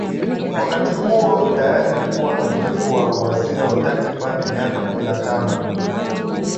Wakati huo tayari alikuwa na uzoefu wa uwaziri wa takribani miaka kumi na tano